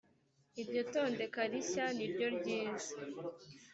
iryo tondeka rishya niryoryiza.